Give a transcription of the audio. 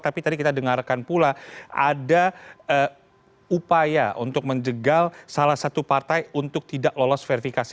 tapi tadi kita dengarkan pula ada upaya untuk menjegal salah satu partai untuk tidak lolos verifikasi